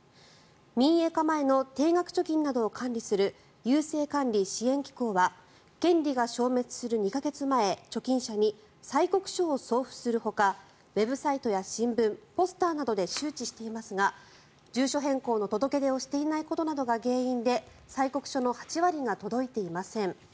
民営化前の定額貯金などを管理する郵政管理・支援機構は権利が消滅する２か月前貯金者に催告書を送付するほかウェブサイトや新聞ポスターなどで周知していますが住所変更の届出をしていないことなどが原因で催告書の８割が届いていません。